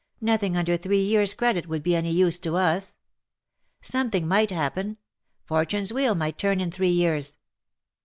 Nothing under three years^ credit would be any use to us. Something might happen — Fortune's wheel might turn in three years.'